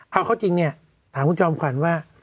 เอาเขาจริงถามผู้จอมขวัญว่า